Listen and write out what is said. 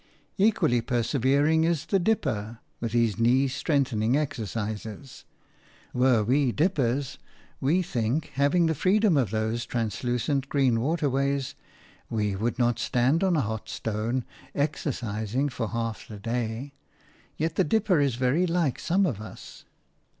Equally persevering is the dipper, with his knee strengthening exercises; were we dippers, we think, having the freedom of those translucent green waterways, we would not stand on a hot stone, exercising for half the day. Yet the dipper is very like some of us.